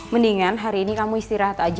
mendingan hari ini kamu istirahat aja